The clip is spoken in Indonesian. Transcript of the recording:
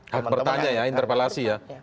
hak bertanya ya interpelasi ya